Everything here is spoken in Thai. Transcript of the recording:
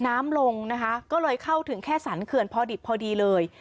น้ำลงนะคะก็เลยเข้าถึงแค่สรรเขื่อนพอดิบพอดีเลย